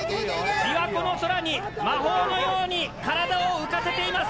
琵琶湖の空に魔法のように体を浮かせています！